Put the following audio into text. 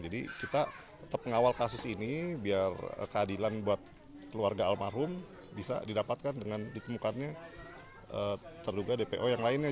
jadi kita tetap mengawal kasus ini biar keadilan buat keluarga almarhum bisa didapatkan dengan ditemukannya terduga dpo yang lainnya